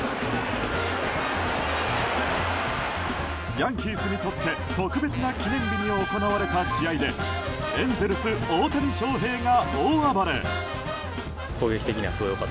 ヤンキースにとって特別な記念日に行われた試合でエンゼルス、大谷翔平が大暴れ！